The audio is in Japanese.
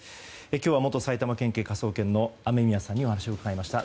今日は元埼玉県警科捜研の雨宮さんにお話を伺いました。